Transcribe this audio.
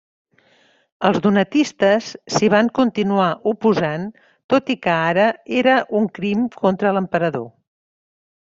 Els donatistes s'hi van continuar oposant tot i que ara era un crim contra l'emperador.